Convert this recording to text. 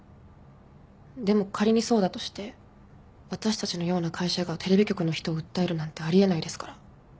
でも仮にそうだとして私たちのような会社がテレビ局の人を訴えるなんてあり得ないですから。